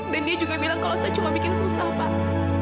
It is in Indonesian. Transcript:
dan dia juga bilang kalau saya cuma bikin susah pak